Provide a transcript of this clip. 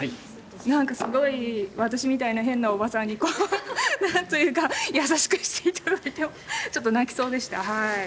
なんかすごい私みたいな変なおばさんに何というか優しくして頂いてちょっと泣きそうでした。